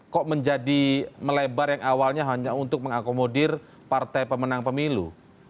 kok menjadi melebar yang awalnya hanya untuk mengakomodir partai pemenang pemilu